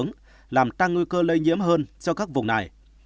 điều này sẽ làm tăng nguy cơ lây nhiễm hơn cho các vùng này